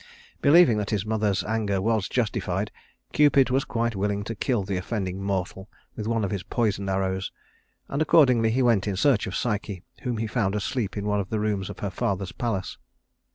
Believing that his mother's anger was justified, Cupid was quite willing to kill the offending mortal with one of his poisoned arrows; and accordingly he went in search of Psyche, whom he found asleep in one of the rooms of her father's palace.